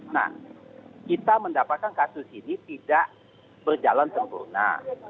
nah kita mendapatkan kasus ini tidak berjalan sempurna